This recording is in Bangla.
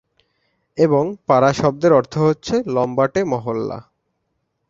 এবং ‘পাড়া’ শব্দের অর্থ হচ্ছে লম্বাটে মহল্লা।